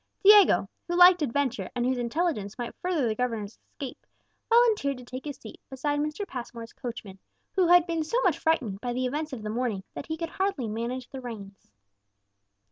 Diego, who liked adventure, and whose intelligence might further the governor's escape, volunteered to take his seat beside Mr. Passmore's coachman, who had been so much frightened by the events of the morning that he could hardly manage the reins.